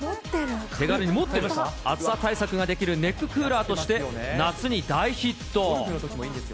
手軽に暑さ対策ができるネッククーラーとして、夏に大ヒット。